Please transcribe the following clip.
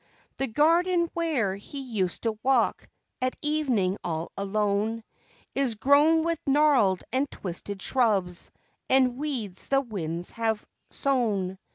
The garden where he used to walk at evening all alone Is grown with gnarled and twisted shrubs and weeds the winds have sown.